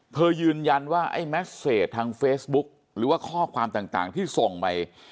ยืนยันว่าไอ้แมสเซจทางเฟซบุ๊กหรือว่าข้อความต่างที่ส่งไป